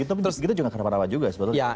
oh gitu juga karena apa juga sebenarnya